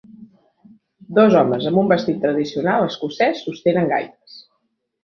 Dos homes amb un vestit tradicional escocès sostenen gaites.